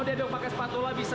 oh diaduk pakai spatula bisa